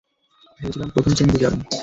ভেবেছিলাম প্রথম শ্রেণীতে যাবেন।